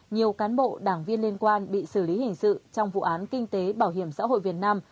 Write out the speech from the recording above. nhiều cán bộ đảng viên liên quan bị xử lý hình sự trong vụ án kinh tế bảo hiểm xã hội việt nam